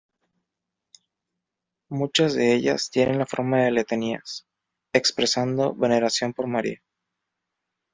Muchas de ellas tienen la forma de letanías, expresando veneración por María.